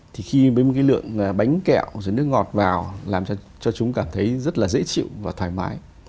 thì khi với một cái lượng bánh kẹo rồi nước ngọt vào làm cho chúng cảm thấy rất là dễ chịu và thoải mái